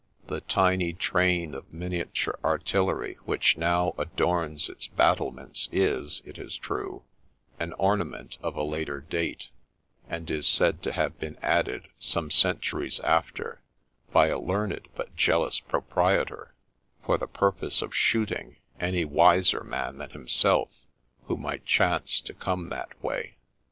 The tiny train of miniature artillery which now adorns its battle ments is, it is true, an ornament of a later date ; and is said to have been added some centuries after by a learned but jealous proprietor, for the purpose of shooting any wiser man than him self who might chance to come that way.